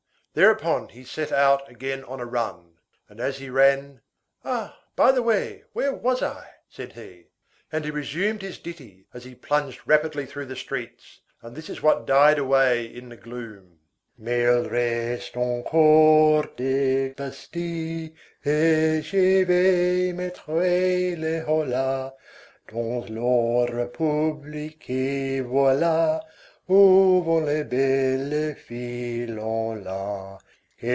Thereupon he set out again on a run. And as he ran:— "Ah, by the way, where was I?" said he. And he resumed his ditty, as he plunged rapidly through the streets, and this is what died away in the gloom:— "Mais il reste encore des bastilles, Et je vais mettre le holà Dans l'ordre public que voilà. Où vont les belles filles, Lon la.